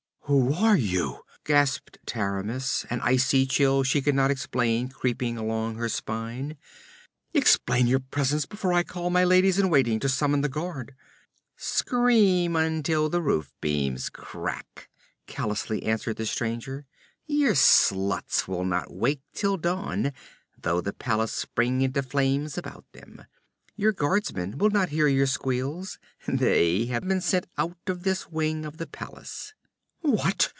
'Who are you?' gasped Taramis, an icy chill she could not explain creeping along her spine. 'Explain your presence before I call my ladies in waiting to summon the guard!' 'Scream until the roof beams crack,' callously answered the stranger. 'Your sluts will not wake till dawn, though the palace spring into flames about them. Your guardsmen will not hear your squeals; they have been sent out of this wing of the palace.' 'What!'